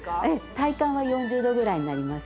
体感は４０度ぐらいになりますから。